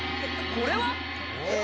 これは？